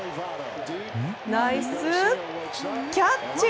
ナイスキャッチ！